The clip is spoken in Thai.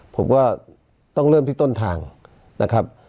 ผมก็ต้องเริ่มที่ต้นทางนะครับ